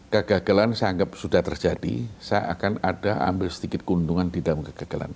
kegagalan saya anggap sudah terjadi saya akan ada ambil sedikit keuntungan di dalam kegagalan